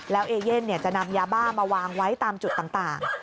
แล้วเอเย่นจะนำยาบ้ามาวางไว้ตามจุดต่าง